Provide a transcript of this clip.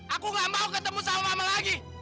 aku gak mau ketemu sama mama lagi